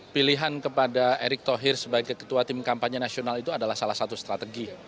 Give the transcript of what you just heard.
pilihan kepada erick thohir sebagai ketua tim kampanye nasional itu adalah salah satu strategi